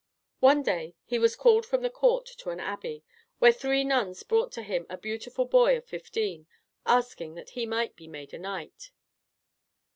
One day he was called from the court to an abbey, where three nuns brought to him a beautiful boy of fifteen, asking that he might be made a knight.